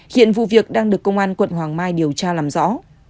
hiện vụ việc đang được công an quận hoàng mai điều tra làm rõ